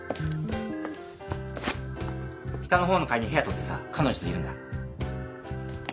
下の方の階に部屋取ってさ彼女といるんだ。